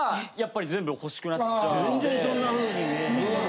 全然そんなふうに見えへんけど。